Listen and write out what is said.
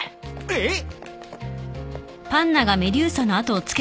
えっ？